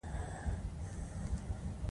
نفت د افغانستان د طبیعت د ښکلا برخه ده.